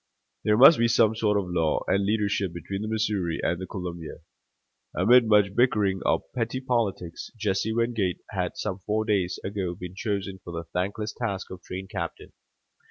There must be some sort of law and leadership between the Missouri and the Columbia. Amid much bickering of petty politics, Jesse Wingate had some four days ago been chosen for the thankless task of train captain.